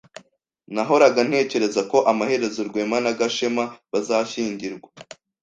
Nahoraga ntekereza ko amaherezo Rwema na Gashema bazashyingirwa.